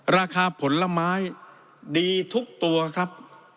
ราคาผลไม้ดีทุกตัวครับ